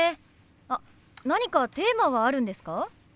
あっ何かテーマはあるんですか？